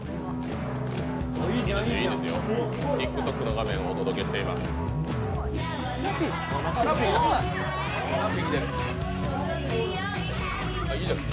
ＴｉｋＴｏｋの画面をお届けしております。